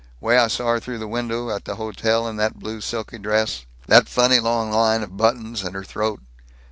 Way I saw her through the window, at that hotel, in that blue silky dress that funny long line of buttons, and her throat.